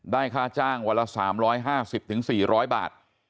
ค่าจ้างวันละ๓๕๐๔๐๐บาท